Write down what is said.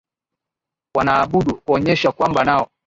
wanaabudu kuonyesha kwamba nao